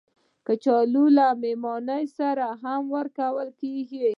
کچالو له میلمانه سره هم ورکول کېږي